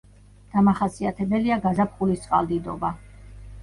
დამახასიათებელია გაზაფხულის წყალდიდობა.